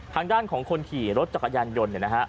ทางด้านของคนขี่รถจักรยานยนต์